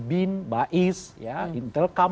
bin bais intel kamu